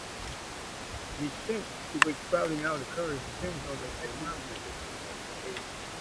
The extent to which crowding out occurs depends on the economic situation.